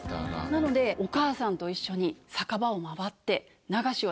なのでお母さんと一緒に酒場を回って流しをしました。